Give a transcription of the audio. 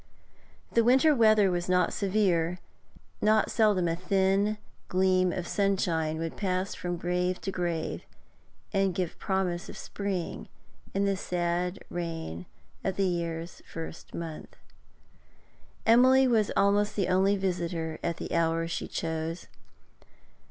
The winter weather was not severe; not seldom a thin gleam of sunshine would pass from grave to grave, and give promise of spring in the said reign of the year's first month. Emily was almost the only visitor at the hour she chose.